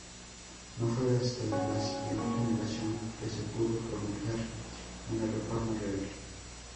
No fue hasta la siguiente generación que se pudo promulgar una reforma real.